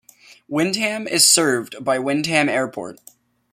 Wyndham is served by Wyndham Airport.